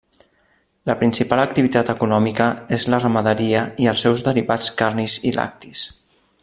La principal activitat econòmica és la ramaderia i els seus derivats carnis i lactis.